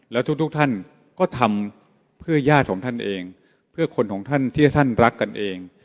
แล้วทุกท่านก็ทำเพื่อญาติของท่านเองเพื่อคนของท่านที่ท่านรักกันเอง